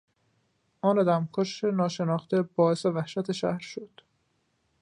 آن آدمکش ناشناخته باعث وحشت شهر شد.